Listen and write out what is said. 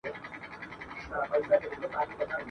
د تعلیم پر ضد ښکنځل او پوچ ویل وه !.